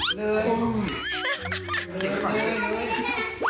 เริ่มเหลือเหรอเหลือเยอะ